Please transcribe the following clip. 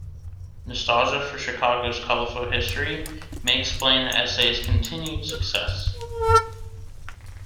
Nostalgia for Chicago's colorful history may explain the essay's continued success.